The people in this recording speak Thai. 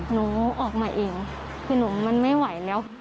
หนูออกมาเองคือหนูมันไม่ไหวแล้ว